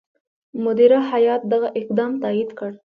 مدیره هیات دغه اقدام تایید کړ.